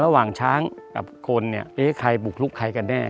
ระหว่างช้างกับคนใครบุกลุกใครกันแน่